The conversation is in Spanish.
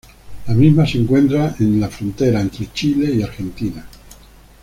La misma se encuentra en la frontera entre Chile y Argentina.